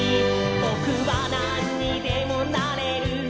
「ぼくはなんにでもなれる！」